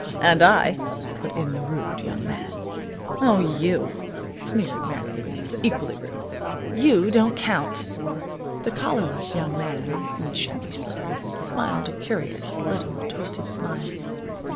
"And I," put in the rude young man. "O, you," sneered Mary Louise, equally rude, "you don't count." The collarless young man in the shabby slippers smiled a curious little twisted smile.